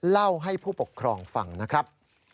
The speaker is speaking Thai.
เล่าให้ผู้ปกครองฟังนะครับ